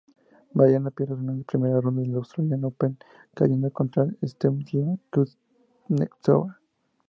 Mariana pierde en la primera ronda del Australian Open, cayendo contra Svetlana Kuznetsova.